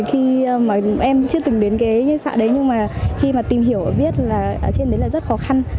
khi mà em chưa từng đến cái xã đấy nhưng mà khi mà tìm hiểu biết là ở trên đấy là rất khó khăn